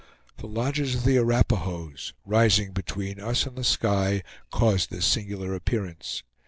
The lodges of the Arapahoes, rising between us and the sky, caused this singular appearance.